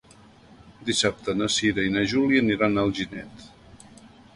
Dissabte na Cira i na Júlia aniran a Alginet.